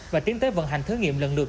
và tiến tới vận hành thử nghiệm lần lượt